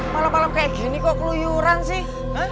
malem malem kayak gini kok keluyuran sih